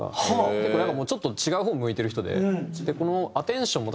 結構なんかもうちょっと違う方向いてる人で。